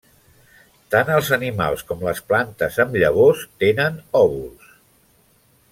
Tant els animals com les plantes amb llavors tenen òvuls.